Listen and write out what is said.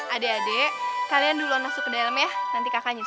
adek adek kalian dulu masuk ke dalam ya nanti kakak nyusul